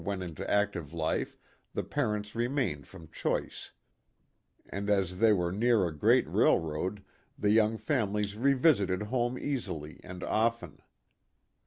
79 went into active life the parents remained from choice, and as they were near a great railroad the young families revisited home easily and often.